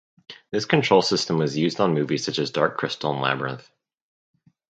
This control system was used on movies such as Dark Crystal and Labyrinth.